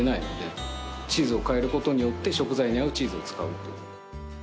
チーズを変えることによって食材に合うチーズを使う。